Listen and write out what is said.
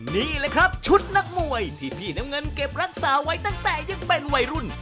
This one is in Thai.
นี่แหละครับชุดนักมวยที่พี่น้ำเงินเก็บรักษาไว้ตั้งแต่ยังเป็นวัยรุ่น